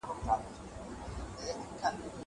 زه بايد خواړه ورکړم.